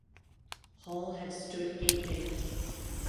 Hall had stood gaping.